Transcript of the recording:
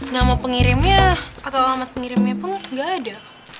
nama pengirimnya atau alamat pengirimnya pun nggak ada